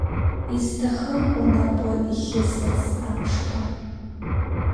Исҭахым унапы ихьысырц аԥшқа.